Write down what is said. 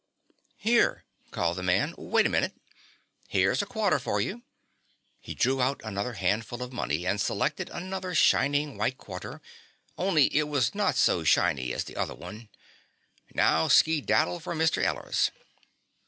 "Here," called the man, "Wait a minute. Here's a quarter for you." He drew out another handful of money and selected another shining white quarter, only it was not so shiny as the other one. "Now skeedaddle for Mr. Eller's."